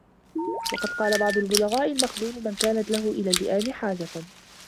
وَقَدْ قَالَ بَعْضُ الْبُلَغَاءِ الْمَخْذُولُ مَنْ كَانَتْ لَهُ إلَى اللِّئَامِ حَاجَةٌ